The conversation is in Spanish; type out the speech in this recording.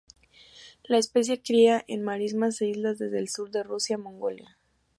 La especie cría en marismas e islas desde el sur de Rusia a Mongolia.